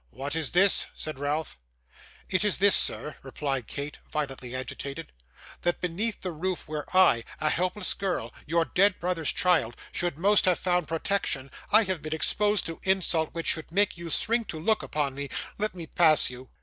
'What is this?' said Ralph. 'It is this, sir,' replied Kate, violently agitated: 'that beneath the roof where I, a helpless girl, your dead brother's child, should most have found protection, I have been exposed to insult which should make you shrink to look upon me. Let me pass you.